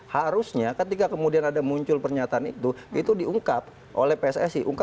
harusnya ketika kemudian ada muncul pernyataan itu itu diungkap oleh pssi